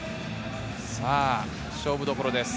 勝負どころです。